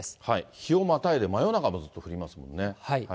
日をまたいで真夜中もずっと降りますもんね。